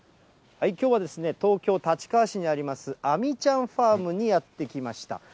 きょうはですね、東京・立川市にあります、あみちゃんファームにやって来ました。